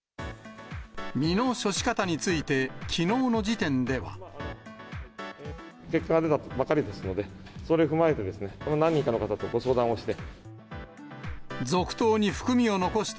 身の処し方について、きのう結果が出たばかりですので、それを踏まえて、何人かの方とご相談をして。